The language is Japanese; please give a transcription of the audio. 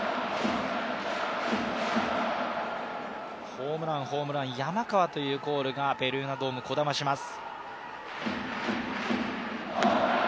ホームラン、ホームラン山川というコールが、ベルーナドーム、こだまします。